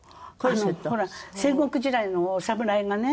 ほら戦国時代のお侍がね